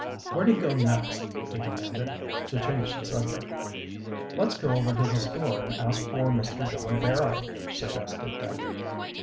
"Where do you go next?" he demanded, to change the subject. "Let's go over to the store and ask for Mr. John Barrow," suggested Dick.